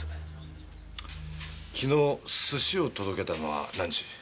昨日寿司を届けたのは何時？